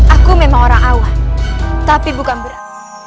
aku memang orang awam tapi bukan berat